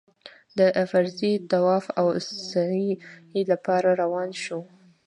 د فرضي طواف او سعيې لپاره راروان شوو.